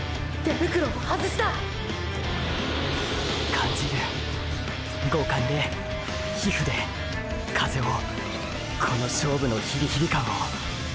感じる五感で皮膚で風をこの勝負のヒリヒリ感を。